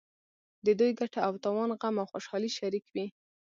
د دوی ګټه او تاوان غم او خوشحالي شریک وي.